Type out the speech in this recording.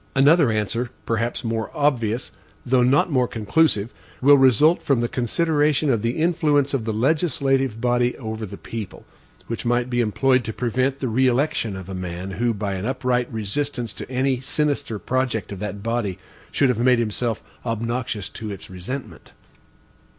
Another answer, perhaps more obvious, though not more conclusive, will result from the consideration of the influence of the legislative body over the people; which might be employed to prevent the re election of a man who, by an upright resistance to any sinister project of that body, should have made himself obnoxious to its resentment.